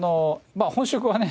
本職はね